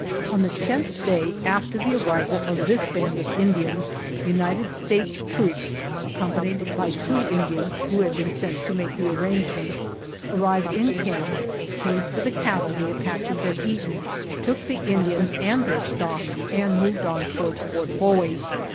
On the tenth day after the arrival of this band of Indians, United States troops, ac companied by two Indians who had been sent to make the arrangements, arrived in camp, paid for the cattle the Apaches had 96 o a* 3 o O • i a a o M 3= o «^ n c t 5' 3 OTHER RAIDS eaten, took the Indians and their stock, and moved on toward Fort Bowie.